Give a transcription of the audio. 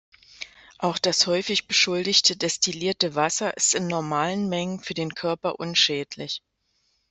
Auch das häufig beschuldigte destillierte Wasser ist in normalen Mengen für den Körper unschädlich.